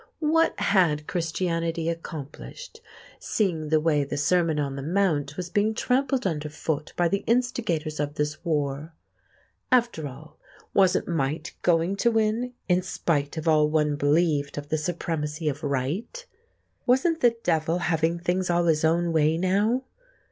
What had Christianity accomplished, seeing the way the Sermon on the Mount was being trampled under foot by the instigators of this war? After all, wasn't might going to win, in spite of all one believed of the supremacy of right? Wasn't the devil having things all his own way now?